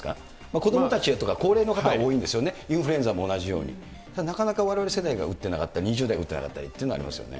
子どもたちや高齢の方が多いんですよね、インフルエンザも同じように、なかなかわれわれ世代が打ってなかったり、２０代が打ってなかったりっていうのはありますよね。